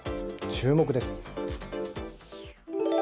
注目です。